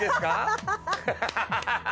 ハハハハ！